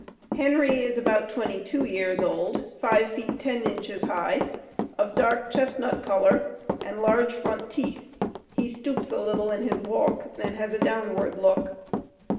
Henry is about 22 years old, five feet, ten inches high, of dark chestnut coller and large front teeth, he stoops a little in his walk and has a downward look.